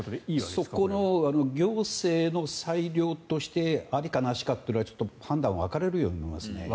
そこの行政の裁量としてありかなしかというのはちょっと判断分かれるように思いますね。